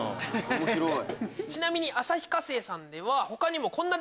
面白い！